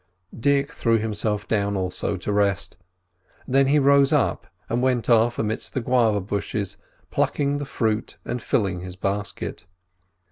Dick threw himself down also to rest. Then he rose up and went off amidst the guava bushes, plucking the fruit and filling his basket.